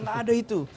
gak ada itu